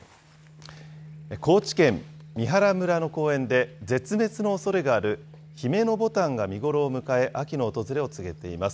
高知県三原村の公園で、絶滅のおそれがあるヒメノボタンが見頃を迎え、秋の訪れを告げています。